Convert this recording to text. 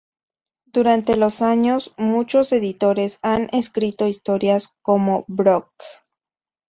Durante los años, muchos editores han escrito historias como Brock.